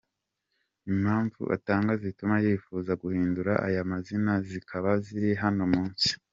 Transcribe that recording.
Impamvu atanga zituma yifuza guhindura aya mazina zikaba ziri hano munsi:.